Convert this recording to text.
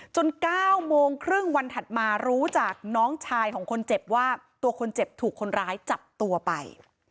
๙โมงครึ่งวันถัดมารู้จากน้องชายของคนเจ็บว่าตัวคนเจ็บถูกคนร้ายจับตัวไป